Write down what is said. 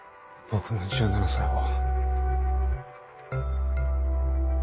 僕の１７才は。